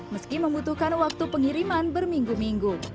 meski membutuhkan waktu pengiriman berminggu minggu